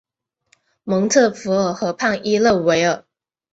蒙特福尔河畔伊勒维尔。